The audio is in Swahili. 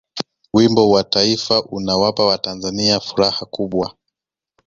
wimbo wa taifa unawapa watanzania furaha kubwa